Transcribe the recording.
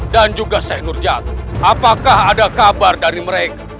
dan juga seh nurjad apakah ada kabar dari mereka